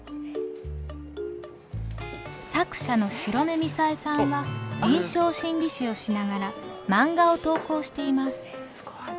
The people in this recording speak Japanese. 作者の白目みさえさんは臨床心理士をしながら漫画を投稿しています。